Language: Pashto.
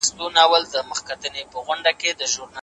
سوسياليزم د فکري بدلونونو پایله وه.